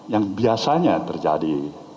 yang biasanya terjadi